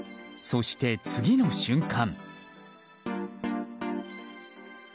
そして次の瞬間。